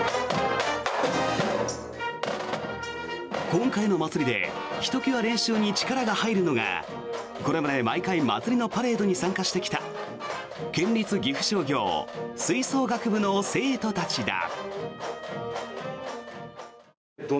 今回のまつりでひときわ練習に力が入るのがこれまで毎回まつりのパレードに参加してきた県立岐阜商業吹奏楽部の生徒たちだ。